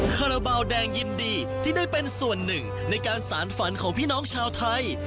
คาราบาลแดงยินดีที่ได้เป็นส่วนหนึ่งในการสารฝันของพี่น้องชาวไทย